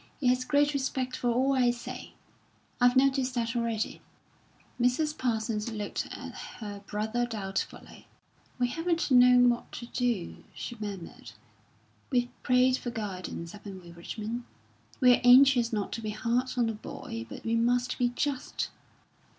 He has great respect for all I say; I've noticed that already." Mrs. Parsons looked at her brother doubtfully. "We haven't known what to do," she murmured. "We've prayed for guidance, haven't we, Richmond? We're anxious not to be hard on the boy, but we must be just."